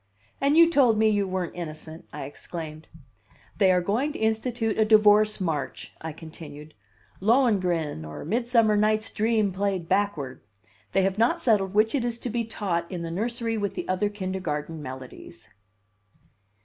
"And you told me you weren't innocent!" I exclaimed. "They are going to institute a divorce march," I continued. "'Lohengrin' or 'Midsummer Night's Dream' played backward. They have not settled which it is to be taught in the nursery with the other kindergarten melodies."